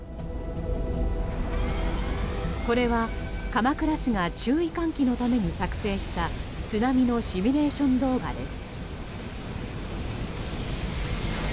これは鎌倉市が注意喚起のために作成した津波のシミュレーション動画です。